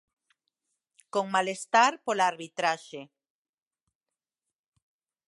Con malestar pola arbitraxe.